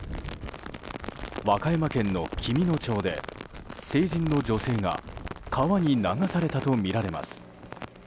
和歌山県の紀美野町で成人の女性が川に流されたとみられます。